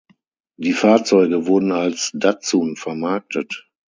Die Fahrzeuge wurden als Datsun vermarktet.